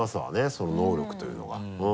その能力というのが。